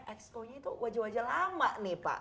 exconya itu wajah wajah lama nih pak